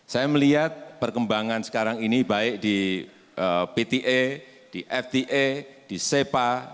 saya melihat perkembangan sekarang ini baik di pta di fta di sepa